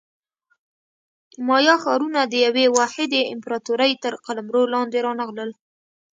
مایا ښارونه د یوې واحدې امپراتورۍ تر قلمرو لاندې رانغلل